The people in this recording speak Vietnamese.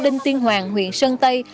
đinh tiên hoàng huyện sơn tây